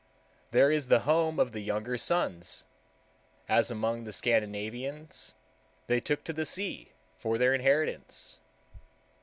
There is the home of the younger sons, as among the Scandinavians they took to the sea for their inheritance.